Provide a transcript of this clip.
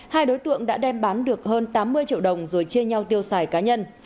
hai đối tượng đã đem bán được hơn tám mươi triệu đồng rồi chia nhau tiêu xài cá nhân